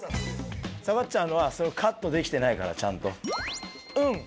下がっちゃうのはカットできてないからちゃんと。